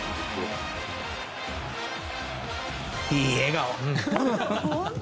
いい笑顔。